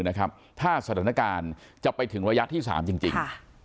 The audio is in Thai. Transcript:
ถ้าสถานการณ์จะไปถึงระยะที่๓จริง